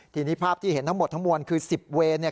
ทีนี้ภาพที่เห็นทั้งหมดทั้งมวลคือ๑๐เวร